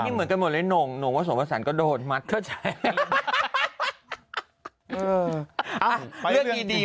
เลยเหมือนกันหมดเลยหนูหนูว่าสมศรก็โดนมันก็ใช้